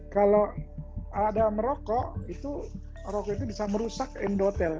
kalau ada merokok itu bisa merusak endotel